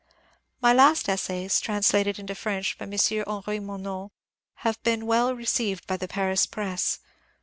My last essays, trans lated into French by M. Henri Monod, have been well re ceived by the Paris press.